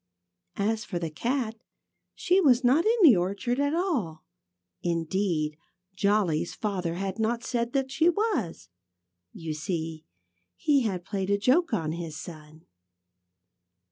As for the cat, she was not in the orchard at all. Indeed, Jolly's father had not said that she was. You see, he had played a joke on his son.